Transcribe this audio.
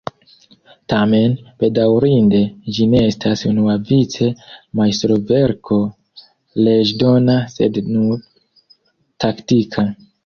Tamen, bedaŭrinde, ĝi ne estas unuavice majstroverko leĝdona sed nur taktika.